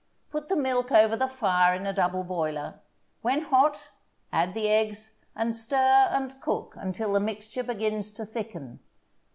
Put the milk over the fire in a double boiler; when hot, add the eggs, and stir and cook until the mixture begins to thicken.